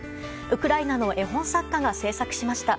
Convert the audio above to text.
ウクライナの絵本作家が制作しました。